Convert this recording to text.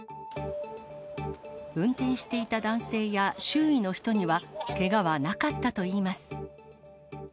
運転していた男性や、周囲の人にはけがはなかったといいます。